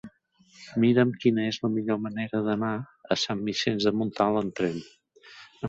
Mira'm quina és la millor manera d'anar a Sant Vicenç de Montalt amb tren.